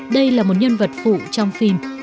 đây là một nhân vật phụ trong phim